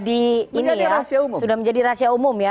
ini sudah menjadi rahasia umum ya